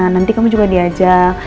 nanti kamu juga diajak